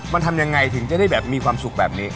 มันทำยังไงถึงจะได้แบบมีความสุขแบบนี้